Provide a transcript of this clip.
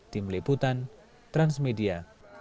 tim liputan transmedia